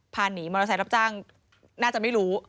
พาหนีมอเตอร์ไซค์รับจ้างน่าจะไม่รู้